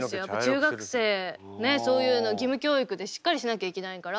中学生ねそういうの義務教育でしっかりしなきゃいけないから。